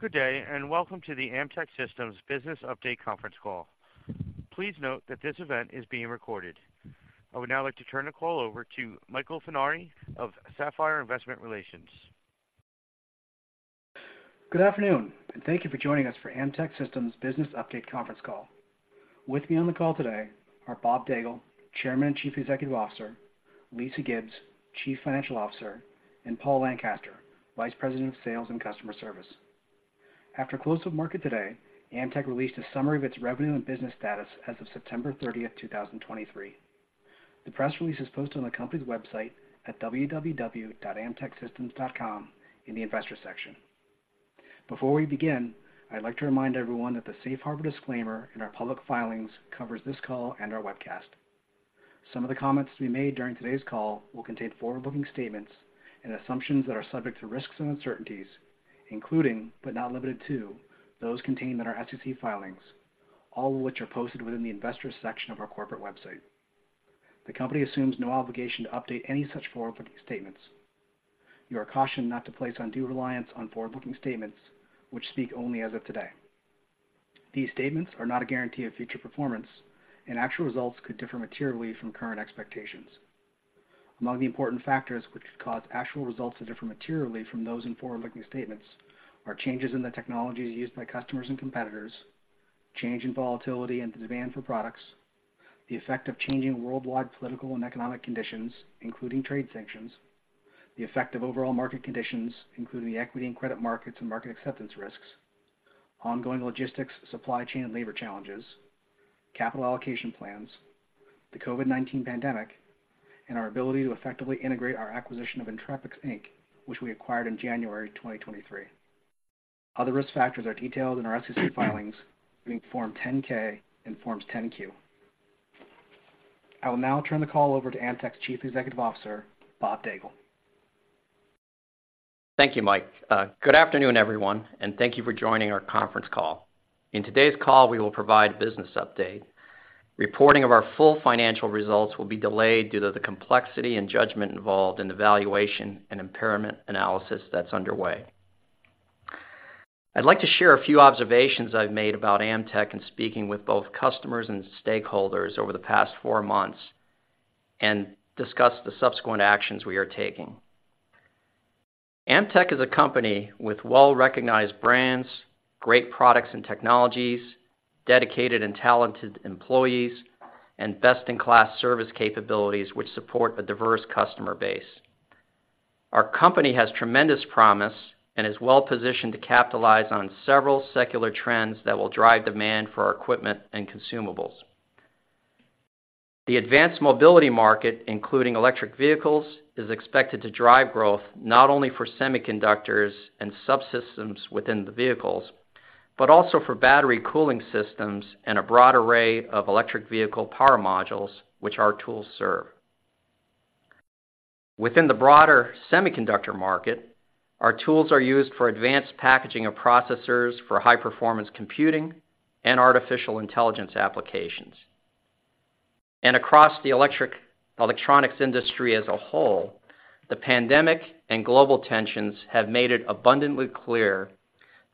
Good day, and welcome to the Amtech Systems Business Update Conference Call. Please note that this event is being recorded. I would now like to turn the call over to Michael Funari of Sapphire Investor Relations. Good afternoon, and thank you for joining us for Amtech Systems Business Update conference call. With me on the call today are Bob Daigle, Chairman and Chief Executive Officer, Lisa Gibbs, Chief Financial Officer, and Paul Lancaster, Vice President of Sales and Customer Service. After close of market today, Amtech released a summary of its revenue and business status as of September 30, 2023. The press release is posted on the company's website at www.amtechsystems.com in the investor section. Before we begin, I'd like to remind everyone that the Safe Harbor disclaimer in our public filings covers this call and our webcast. Some of the comments to be made during today's call will contain forward-looking statements and assumptions that are subject to risks and uncertainties, including, but not limited to, those contained in our SEC filings, all of which are posted within the Investors section of our corporate website. The company assumes no obligation to update any such forward-looking statements. You are cautioned not to place undue reliance on forward-looking statements which speak only as of today. These statements are not a guarantee of future performance, and actual results could differ materially from current expectations. Among the important factors which could cause actual results to differ materially from those in forward-looking statements are changes in the technologies used by customers and competitors, change in volatility and the demand for products, the effect of changing worldwide political and economic conditions, including trade sanctions, the effect of overall market conditions, including the equity and credit markets and market acceptance risks, ongoing logistics, supply chain and labor challenges, capital allocation plans, the COVID-19 pandemic, and our ability to effectively integrate our acquisition of Entrepix, Inc., which we acquired in January 2023. Other risk factors are detailed in our SEC filings, being Form 10-K and Forms 10-Q. I will now turn the call over to Amtech's Chief Executive Officer, Bob Daigle. Thank you, Michael. Good afternoon, everyone, and thank you for joining our conference call. In today's call, we will provide a business update. Reporting of our full financial results will be delayed due to the complexity and judgment involved in the valuation and impairment analysis that's underway. I'd like to share a few observations I've made about Amtech in speaking with both customers and stakeholders over the past four months, and discuss the subsequent actions we are taking. Amtech is a company with well-recognized brands, great products and technologies, dedicated and talented employees, and best-in-class service capabilities, which support a diverse customer base. Our company has tremendous promise and is well-positioned to capitalize on several secular trends that will drive demand for our equipment and consumables. The advanced mobility market, including electric vehicles, is expected to drive growth not only for semiconductors and subsystems within the vehicles, but also for battery cooling systems and a broad array of electric vehicle power modules, which our tools serve. Within the broader semiconductor market, our tools are used for advanced packaging of processors, for high-performance computing, and artificial intelligence applications. Across the electronics industry as a whole, the pandemic and global tensions have made it abundantly clear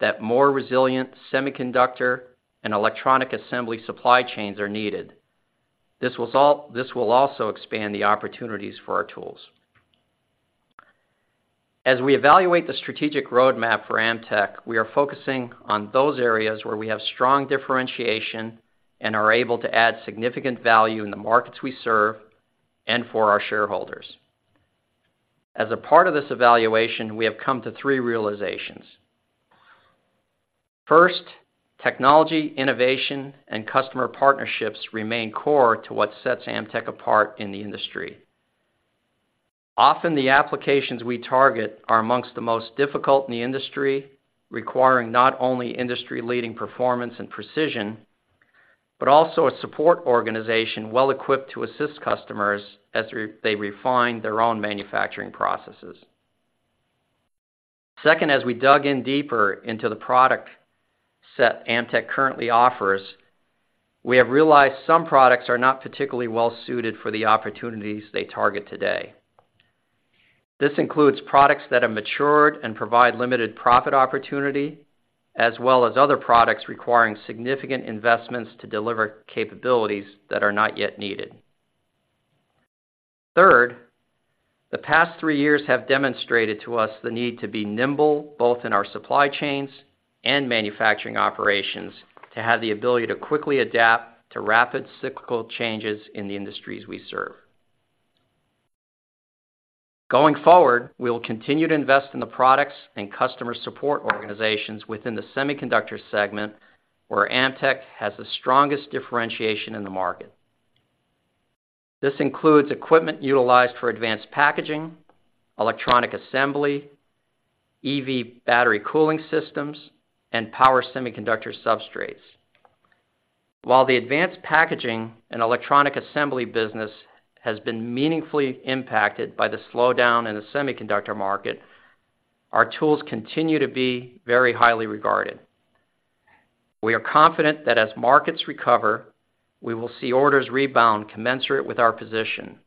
that more resilient semiconductor and electronic assembly supply chains are needed. This will also expand the opportunities for our tools. As we evaluate the strategic roadmap for Amtech, we are focusing on those areas where we have strong differentiation and are able to add significant value in the markets we serve and for our shareholders. As a part of this evaluation, we have come to three realizations. First, technology, innovation, and customer partnerships remain core to what sets Amtech apart in the industry. Often, the applications we target are among the most difficult in the industry, requiring not only industry-leading performance and precision, but also a support organization well-equipped to assist customers as they refine their own manufacturing processes. Second, as we dug in deeper into the product set Amtech currently offers, we have realized some products are not particularly well-suited for the opportunities they target today. This includes products that have matured and provide limited profit opportunity, as well as other products requiring significant investments to deliver capabilities that are not yet needed. Third, the past three years have demonstrated to us the need to be nimble, both in our supply chains and manufacturing operations, to have the ability to quickly adapt to rapid cyclical changes in the industries we serve. Going forward, we will continue to invest in the products and customer support organizations within the semiconductor segment, where Amtech has the strongest differentiation in the market. This includes equipment utilized for advanced packaging, electronic assembly, EV battery cooling systems, and power semiconductor substrates. While the advanced packaging and electronic assembly business has been meaningfully impacted by the slowdown in the semiconductor market, our tools continue to be very highly regarded... We are confident that as markets recover, we will see orders rebound commensurate with our position,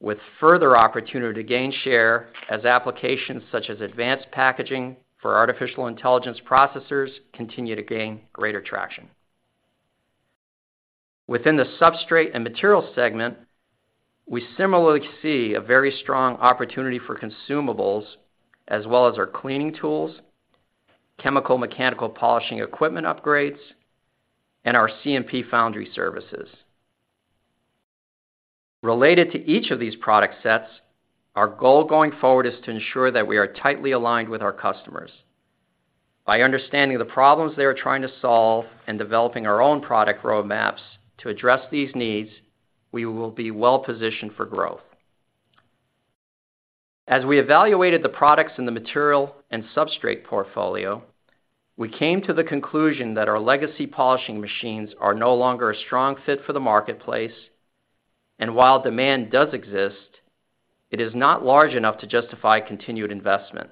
with further opportunity to gain share as applications such as advanced packaging for artificial intelligence processors continue to gain greater traction. Within the substrate and materials segment, we similarly see a very strong opportunity for consumables, as well as our cleaning tools, chemical mechanical polishing equipment upgrades, and our CMP foundry services. Related to each of these product sets, our goal going forward is to ensure that we are tightly aligned with our customers. By understanding the problems they are trying to solve and developing our own product roadmaps to address these needs, we will be well-positioned for growth. As we evaluated the products in the material and substrate portfolio, we came to the conclusion that our legacy polishing machines are no longer a strong fit for the marketplace, and while demand does exist, it is not large enough to justify continued investment.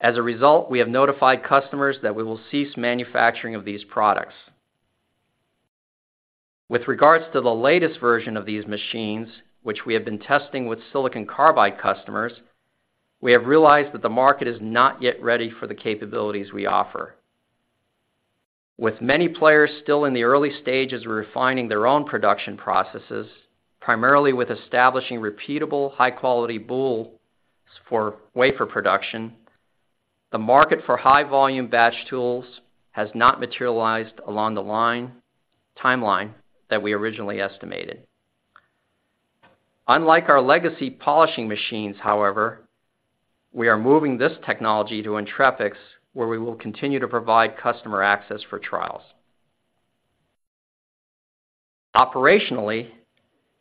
As a result, we have notified customers that we will cease manufacturing of these products. With regards to the latest version of these machines, which we have been testing with silicon carbide customers, we have realized that the market is not yet ready for the capabilities we offer. With many players still in the early stages of refining their own production processes, primarily with establishing repeatable, high-quality boules for wafer production, the market for high-volume batch tools has not materialized along the timeline that we originally estimated. Unlike our legacy polishing machines, however, we are moving this technology to Entrepix, where we will continue to provide customer access for trials. Operationally,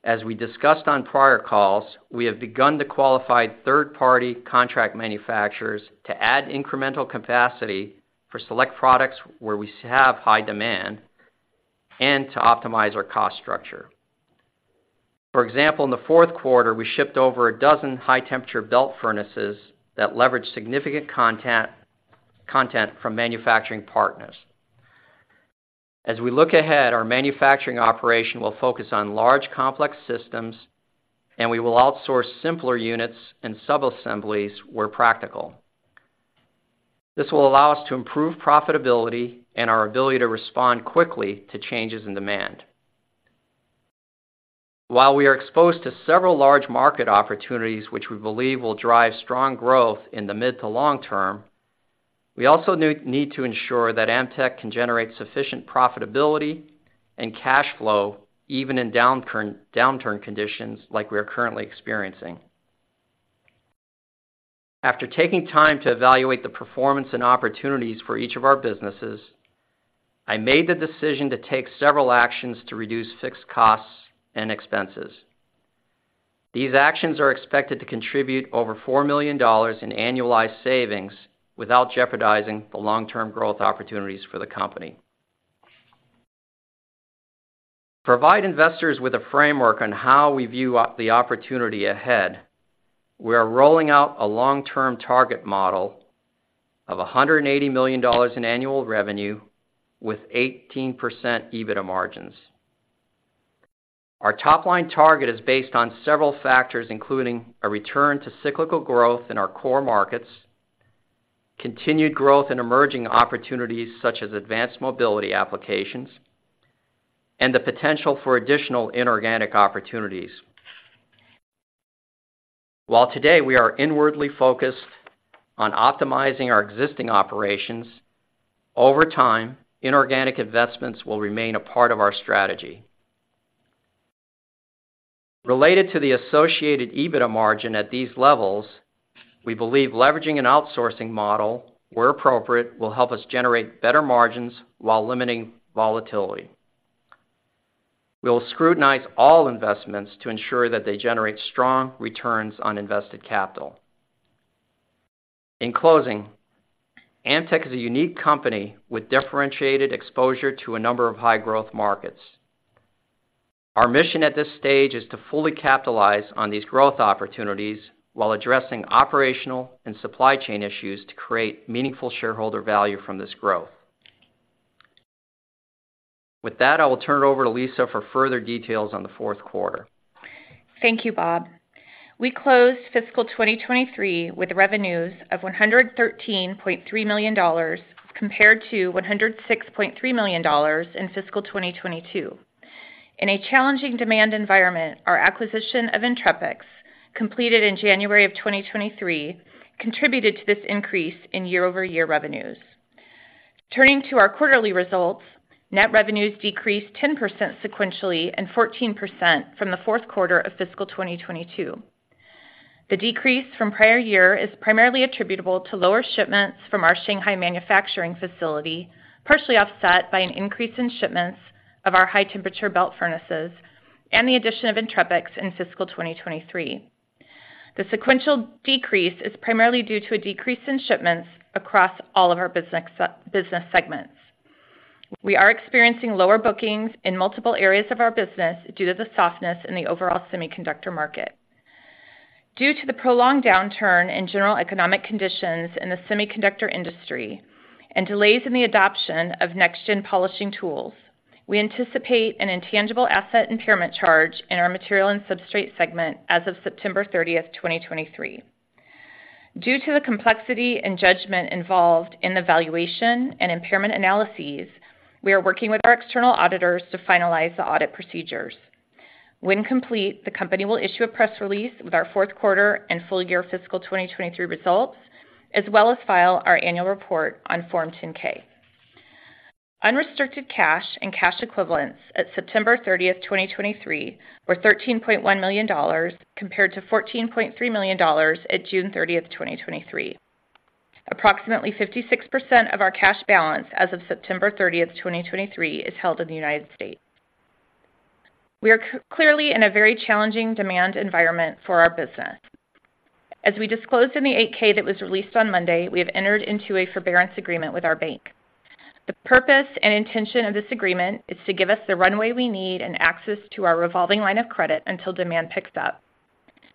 as we discussed on prior calls, we have begun to qualify third-party contract manufacturers to add incremental capacity for select products where we have high demand and to optimize our cost structure. For example, in the fourth quarter, we shipped over a dozen high-temperature belt furnaces that leverage significant content from manufacturing partners. As we look ahead, our manufacturing operation will focus on large, complex systems, and we will outsource simpler units and subassemblies where practical. This will allow us to improve profitability and our ability to respond quickly to changes in demand. While we are exposed to several large market opportunities, which we believe will drive strong growth in the mid to long term, we also need to ensure that Amtech can generate sufficient profitability and cash flow, even in downturn conditions like we are currently experiencing. After taking time to evaluate the performance and opportunities for each of our businesses, I made the decision to take several actions to reduce fixed costs and expenses. These actions are expected to contribute over $4 million in annualized savings without jeopardizing the long-term growth opportunities for the company. To provide investors with a framework on how we view the opportunity ahead, we are rolling out a long-term target model of $180 million in annual revenue with 18% EBITDA margins. Our top-line target is based on several factors, including a return to cyclical growth in our core markets, continued growth in emerging opportunities such as advanced mobility applications, and the potential for additional inorganic opportunities. While today we are inwardly focused on optimizing our existing operations, over time, inorganic investments will remain a part of our strategy. Related to the associated EBITDA margin at these levels, we believe leveraging an outsourcing model where appropriate, will help us generate better margins while limiting volatility. We will scrutinize all investments to ensure that they generate strong returns on invested capital. In closing, Amtech is a unique company with differentiated exposure to a number of high-growth markets. Our mission at this stage is to fully capitalize on these growth opportunities while addressing operational and supply chain issues to create meaningful shareholder value from this growth. With that, I will turn it over to Lisa for further details on the fourth quarter. Thank you, Bob. We closed fiscal 2023 with revenues of $113.3 million, compared to $106.3 million in fiscal 2022. In a challenging demand environment, our acquisition of Entrepix, completed in January 2023, contributed to this increase in year-over-year revenues. Turning to our quarterly results, net revenues decreased 10% sequentially and 14% from the fourth quarter of fiscal 2022. The decrease from prior year is primarily attributable to lower shipments from our Shanghai manufacturing facility, partially offset by an increase in shipments of our high-temperature belt furnaces and the addition of Entrepix in fiscal 2023. The sequential decrease is primarily due to a decrease in shipments across all of our business segments. We are experiencing lower bookings in multiple areas of our business due to the softness in the overall semiconductor market. Due to the prolonged downturn in general economic conditions in the semiconductor industry and delays in the adoption of next-gen polishing tools, we anticipate an intangible asset impairment charge in our material and substrate segment as of September 30, 2023. Due to the complexity and judgment involved in the valuation and impairment analyses, we are working with our external auditors to finalize the audit procedures. When complete, the company will issue a press release with our fourth quarter and full year fiscal 2023 results, as well as file our annual report on Form 10-K. Unrestricted cash and cash equivalents at September 30, 2023, were $13.1 million, compared to $14.3 million at June 30, 2023. Approximately 56% of our cash balance as of September 30, 2023, is held in the United States. We are clearly in a very challenging demand environment for our business. As we disclosed in the 8-K that was released on Monday, we have entered into a forbearance agreement with our bank. The purpose and intention of this agreement is to give us the runway we need and access to our revolving line of credit until demand picks up.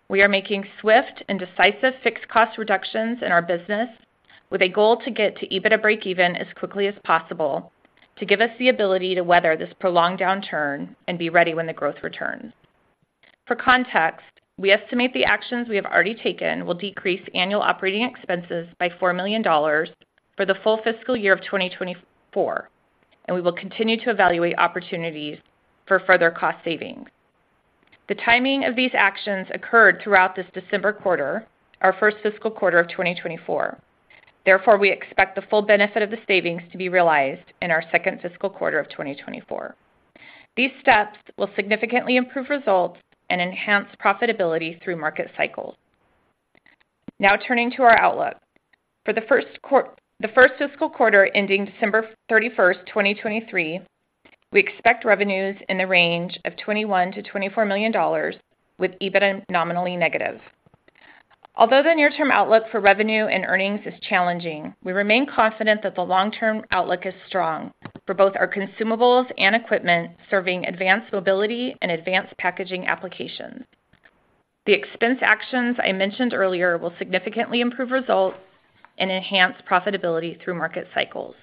We are making swift and decisive fixed cost reductions in our business, with a goal to get to EBITDA breakeven as quickly as possible, to give us the ability to weather this prolonged downturn and be ready when the growth returns. For context, we estimate the actions we have already taken will decrease annual operating expenses by $4 million for the full fiscal year of 2024, and we will continue to evaluate opportunities for further cost savings. The timing of these actions occurred throughout this December quarter, our first fiscal quarter of 2024. Therefore, we expect the full benefit of the savings to be realized in our second fiscal quarter of 2024. These steps will significantly improve results and enhance profitability through market cycles. Now, turning to our outlook. For the first fiscal quarter, ending December 31, 2023, we expect revenues in the range of $21 million-$24 million, with EBITDA nominally negative. Although the near-term outlook for revenue and earnings is challenging, we remain confident that the long-term outlook is strong for both our consumables and equipment, serving advanced mobility and advanced packaging applications. The expense actions I mentioned earlier will significantly improve results and enhance profitability through market cycles.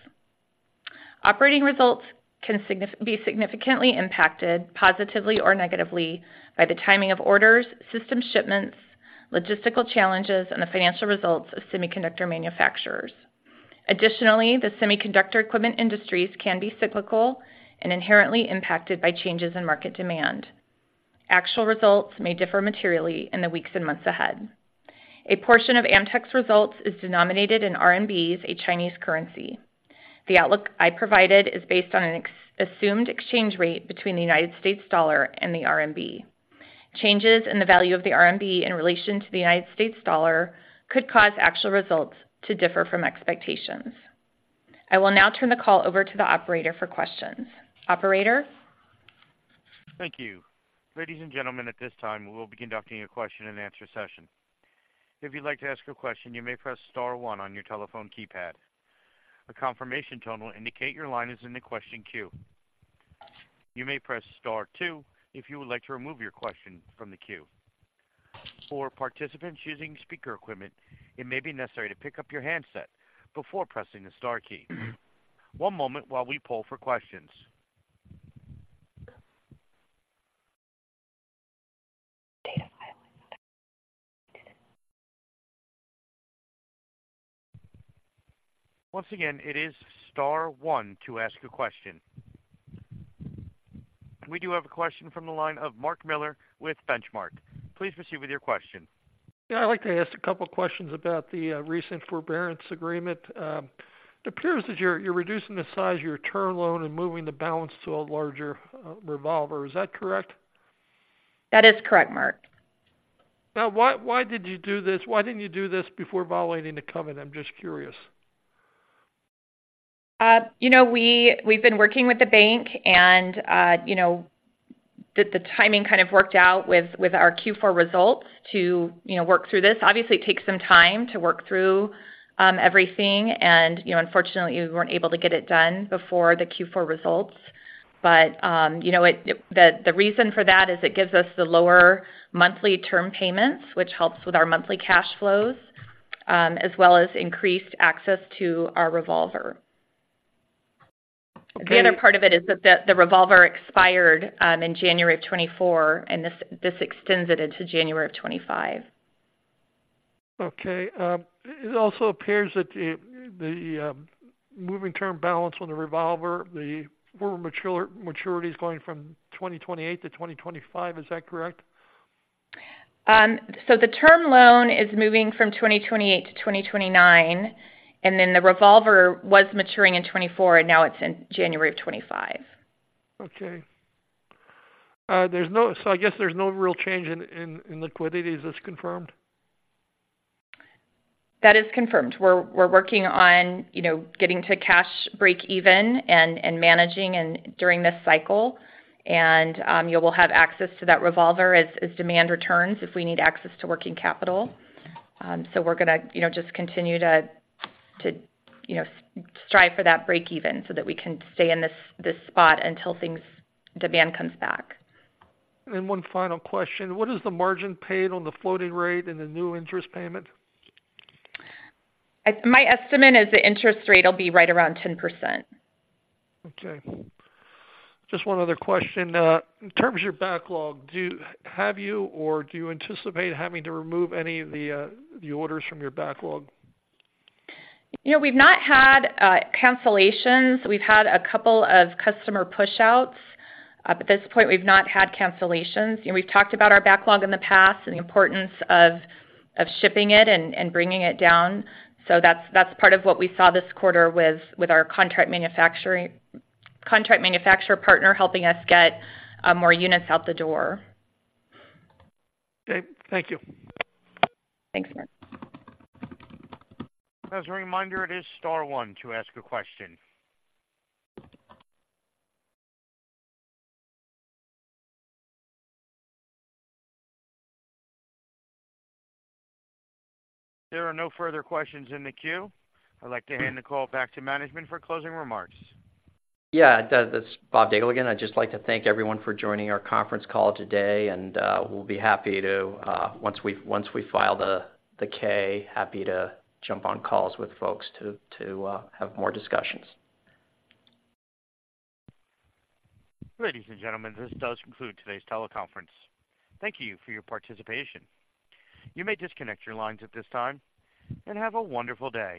Operating results can be significantly impacted, positively or negatively, by the timing of orders, system shipments, logistical challenges, and the financial results of semiconductor manufacturers. Additionally, the semiconductor equipment industries can be cyclical and inherently impacted by changes in market demand. Actual results may differ materially in the weeks and months ahead. A portion of Amtech's results is denominated in RMB, a Chinese currency. The outlook I provided is based on an assumed exchange rate between the United States dollar and the RMB. Changes in the value of the RMB in relation to the United States dollar could cause actual results to differ from expectations. I will now turn the call over to the operator for questions. Operator? Thank you. Ladies and gentlemen, at this time, we will be conducting a question and answer session. If you'd like to ask a question, you may press star one on your telephone keypad. A confirmation tone will indicate your line is in the question queue. You may press star two if you would like to remove your question from the queue. For participants using speaker equipment, it may be necessary to pick up your handset before pressing the star key. One moment while we poll for questions. Once again, it is star one to ask a question. We do have a question from the line of Mark Miller with Benchmark. Please proceed with your question. Yeah, I'd like to ask a couple of questions about the recent forbearance agreement. It appears that you're reducing the size of your term loan and moving the balance to a larger revolver. Is that correct? That is correct, Mark. Now, why, why did you do this? Why didn't you do this before violating the covenant? I'm just curious. You know, we've been working with the bank, and you know, the timing kind of worked out with our Q4 results to you know, work through this. Obviously, it takes some time to work through everything, and you know, unfortunately, we weren't able to get it done before the Q4 results. But you know, the reason for that is it gives us the lower monthly term payments, which helps with our monthly cash flows, as well as increased access to our revolver. Okay- The other part of it is that the revolver expired in January of 2024, and this extends it into January of 2025. Okay, it also appears that the moving term balance on the revolver, the maturity is going from 2028 to 2025. Is that correct? The term loan is moving from 2028 to 2029, and then the revolver was maturing in 2024, and now it's in January of 2025. Okay. So I guess there's no real change in liquidity. Is this confirmed? That is confirmed. We're working on, you know, getting to cash breakeven and managing during this cycle, and we'll have access to that revolver as demand returns, if we need access to working capital. So we're gonna, you know, just continue to you know, strive for that breakeven so that we can stay in this spot until things... demand comes back. One final question: What is the margin paid on the floating rate and the new interest payment? My estimate is the interest rate will be right around 10%. Okay. Just one other question. In terms of your backlog, have you or do you anticipate having to remove any of the orders from your backlog? You know, we've not had cancellations. We've had a couple of customer pushouts. But at this point, we've not had cancellations. You know, we've talked about our backlog in the past and the importance of shipping it and bringing it down. So that's part of what we saw this quarter with our contract manufacturing, contract manufacturer partner, helping us get more units out the door. Okay, thank you. Thanks, Mark. As a reminder, it is star one to ask a question. There are no further questions in the queue. I'd like to hand the call back to management for closing remarks. Yeah, that, that's Bob Daigle again. I'd just like to thank everyone for joining our conference call today, and, we'll be happy to, once we, once we file the, the K, happy to jump on calls with folks to, to, have more discussions. Ladies and gentlemen, this does conclude today's teleconference. Thank you for your participation. You may disconnect your lines at this time, and have a wonderful day.